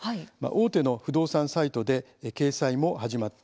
大手の不動産サイトで掲載も始まっています。